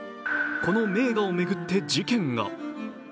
この名画を巡って事件が。